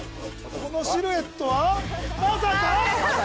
このシルエットはまさか？